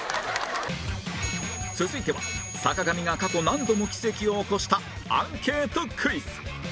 続いては坂上が過去何度も奇跡を起こしたアンケートクイズ